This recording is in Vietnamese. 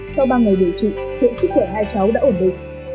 sau ba ngày điều trị hiện sức khỏe hai cháu đã ổn định